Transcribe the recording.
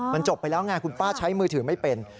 มันจบไปแล้วไงคุณป้าใช้มือถือไม่เป็น